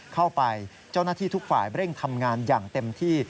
เจ้าหน้าที่ทุกฝ่ายเร่งทำงานอย่างเต็มที่